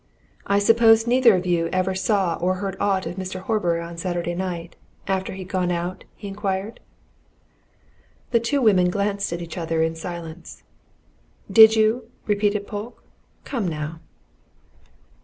"I suppose neither of you ever saw or heard aught of Mr. Horbury on Saturday night after he'd gone out?" he inquired. The two women glanced at each other in silence. "Did you?" repeated Polke. "Come, now!"